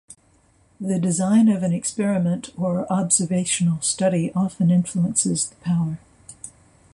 The design of an experiment or observational study often influences the power.